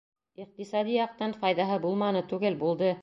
— Иҡтисади яҡтан файҙаһы булманы түгел — булды.